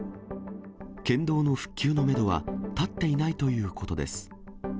県道の復旧のメドは立っていないということです。